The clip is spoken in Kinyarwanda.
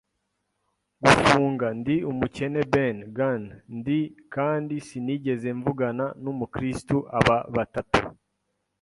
gufunga. “Ndi umukene Ben Gunn, ndi; kandi sinigeze mvugana n'umukristu aba batatu